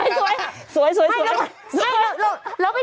ไม่อวยนะเพราะน้องสวยมากเหมือนแหม่ตา